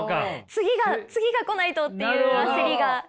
次が次が来ないとっていう焦りが。